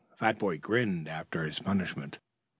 The fat boy grinned after his punishment.